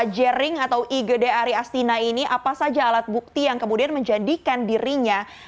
jering atau igd ari astina ini apa saja alat bukti yang kemudian menjadikan dirinya